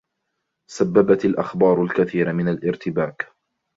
سببت الأخبار الكثير من الارتباك.